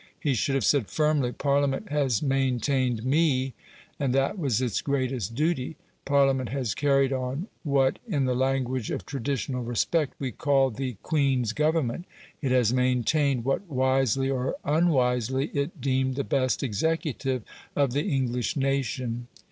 He should have said firmly, "Parliament has maintained ME, and that was its greatest duty; Parliament has carried on what, in the language of traditional respect, we call the Queen's Government; it has maintained what wisely or unwisely it deemed the best executive of the English nation".